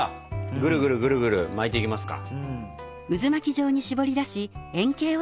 ぐるぐるぐるぐる巻いていきますか。